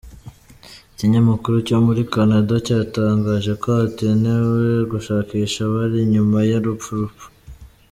Ikinyamakuru cyo muri Canada cyatangaje ko hatanewe gushakisha abari inyuma y’ uru rupfu.